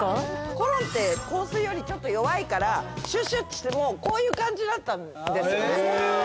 コロンって香水よりちょっと弱いからシュッシュッてしてもこういう感じだったんですよね。